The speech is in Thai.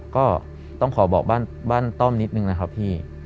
ก็ต้องขอบอกบ้านต้อมนิดนึงนะครับพี่